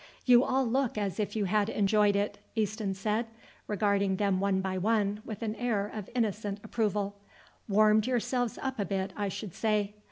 "You all look as if you had enjoyed it," Easton said, regarding them one by one with an air of innocent approval; "warmed yourselves up a bit, I should say.